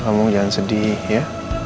kamu jangan sedih ya